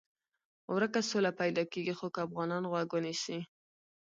ورکه سوله پیدا کېږي خو که افغانان غوږ ونیسي.